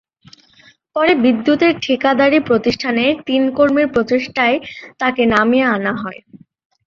পরে বিদ্যুতের ঠিকাদারি প্রতিষ্ঠানের তিন কর্মীর প্রচেষ্টায় তাঁকে নামিয়ে আনা হয়।